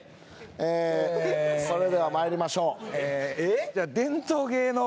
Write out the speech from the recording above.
それではまいりましょうええっ？